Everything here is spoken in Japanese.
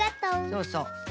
そうそう。